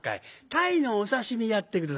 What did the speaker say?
鯛のお刺身やって下さい」。